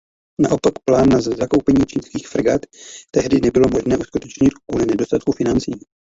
Naopak plán na zakoupení čínských fregat tehdy nebylo možné uskutečnit kvůli nedostatku financí.